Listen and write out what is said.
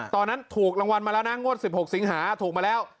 ตอนนั้นถูกรางวัลมาแล้วนะงวด๑๖สิงหาถูกมาแล้ว